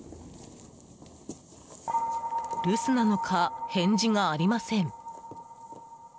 留守なのか返事がありません。